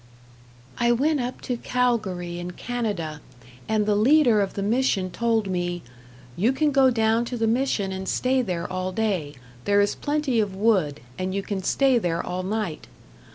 I went up to Calgary in Canada, and the leader of the mission told me, "You can go down to the mission and stay there all day. There is plenty of wood, and you can stay there all night."